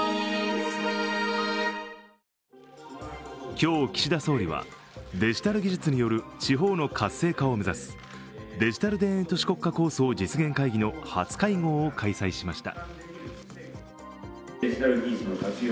今日、岸田総理はデジタル技術による地方の活性化を目指すデジタル田園都市国家構想実現会議の初会合を開催しました。